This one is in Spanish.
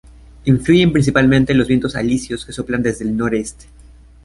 Influyen principalmente los vientos alisios que soplan desde el noreste.